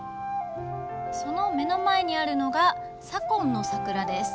その目の前にあるのが左近の桜です。